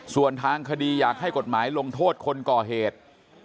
ส่วนทางคดีอยากให้กฎหมายลงโทษคนก่อเหตุ